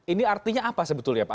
ini artinya apa sebetulnya pak